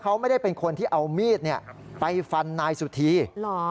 เขาไม่ได้เป็นคนที่เอามีดไปฟันนายสุธีเหรอ